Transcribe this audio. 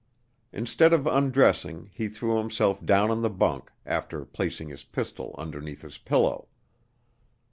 Instead of undressing he threw himself down on the bunk, after placing his pistol underneath his pillow.